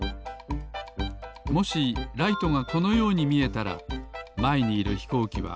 もしライトがこのようにみえたらまえにいるひこうきは